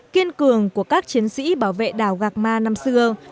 kiên cường của các chiến sĩ bảo vệ đảo gạc ma năm xưa